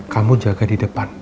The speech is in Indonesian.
kamu jaga di depan